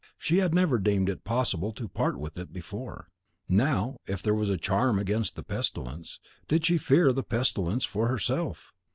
She had never deemed it possible to part with it before. Now, if there was a charm against the pestilence, did she fear the pestilence for herself?